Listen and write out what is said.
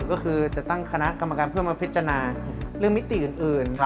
ก็คือจะตั้งคณะกรรมการเพื่อมาพิจารณาเรื่องมิติอื่น